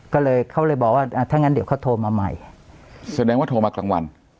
ก็เลยเขาเลยบอกว่าถ้างั้นเดี๋ยวเขาโทรมาใหม่แสดงว่าโทรมากลางวัน